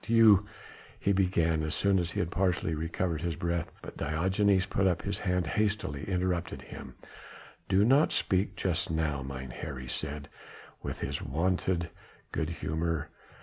"You ..." he began as soon as he had partially recovered his breath. But Diogenes putting up his hand hastily interrupted him: "Do not speak just now, mynheer," he said with his wonted good humour.